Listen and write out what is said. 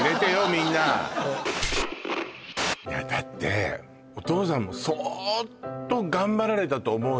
みんなだってお父さんも相当頑張られたと思うよ